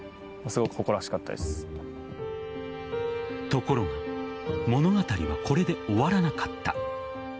ところが物語はこれで終わらなかった。